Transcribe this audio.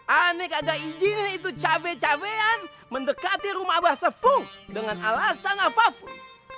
aneh kagak izinnya itu cabe cabean mendekati rumah abah sefung dengan alasan apapun